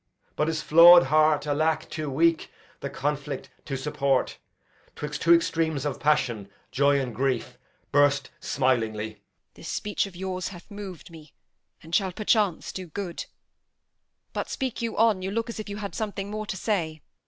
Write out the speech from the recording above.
But his flaw'd heart (Alack, too weak the conflict to support!) 'Twixt two extremes of passion, joy and grief, Burst smilingly. Edm. This speech of yours hath mov'd me, And shall perchance do good; but speak you on; You look as you had something more to say.